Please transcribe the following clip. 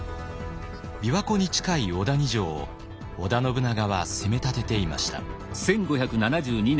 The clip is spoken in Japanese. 琵琶湖に近い小谷城を織田信長は攻めたてていました。